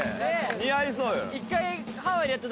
似合いそうよ。